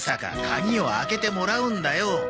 鍵を開けてもらうんだよ。